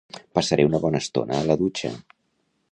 Passaré una bona estona a la dutxa